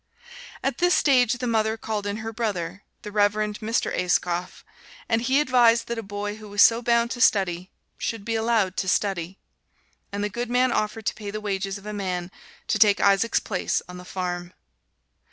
At this stage the mother called in her brother, the Reverend Mr. Ayscough, and he advised that a boy who was so bound to study should be allowed to study. And the good man offered to pay the wages of a man to take Isaac's place on the farm.